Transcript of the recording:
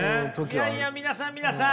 いやいや皆さん皆さん。